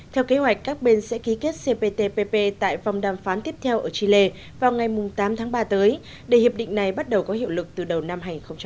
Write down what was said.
theo kế hoạch các bên sẽ ký kết cptpp tại vòng đàm phán tiếp theo ở chile vào ngày tám tháng ba tới để hiệp định này bắt đầu có hiệu lực từ đầu năm hai nghìn hai mươi